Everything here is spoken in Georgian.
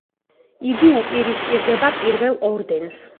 იგი უპირისპირდება პირველ ორდენს.